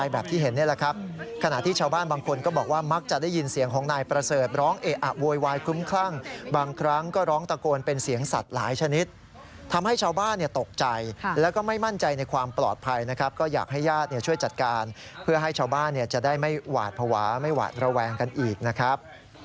แบบที่เห็นนี่แหละครับขณะที่ชาวบ้านบางคนก็บอกว่ามักจะได้ยินเสียงของนายประเสริฐร้องเอะอะโวยวายคุ้มคลั่งบางครั้งก็ร้องตะโกนเป็นเสียงสัตว์หลายชนิดทำให้ชาวบ้านตกใจแล้วก็ไม่มั่นใจในความปลอดภัยนะครับก็อยากให้ญาติช่วยจัดการเพื่อให้ชาวบ้านเนี่ยจะได้ไม่หวาดภาวะไม่หวาดระแวงกันอีกนะครับ